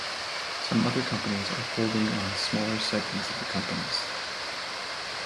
Some other companies are holding on smaller segments of the companies.